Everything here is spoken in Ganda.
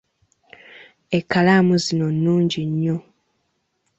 Ekkalaamu zino nnungi nnyo.